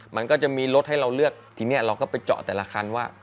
มันก็จะมีรถให้เราเลือกทีนี้เราก็ไปเจาะแต่ละคันว่า